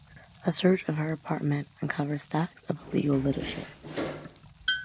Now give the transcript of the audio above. A search of her apartment uncovered stacks of illegal literature.